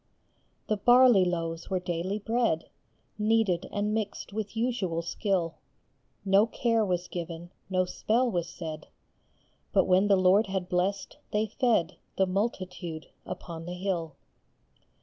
The barley loaves were daily bread, Kneaded and mixed with usual skill ; No care was given, no spell was said, But when the Lord had blessed, they fed The multitude upon the hill.